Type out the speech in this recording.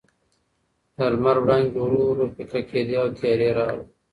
د لمر وړانګې ورو ورو پیکه کېدې او تیارې راغلې.